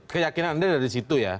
keyakinan anda dari situ ya